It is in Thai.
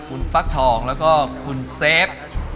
คุณฟักทองแล้วก็คุณเซฟ